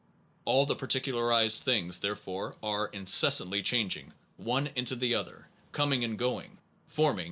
All the particularized beings, therefore, ... are incessantly changing one into the other, coming and going, forming an.